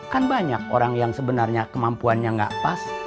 kan banyak orang yang sebenarnya kemampuannya nggak pas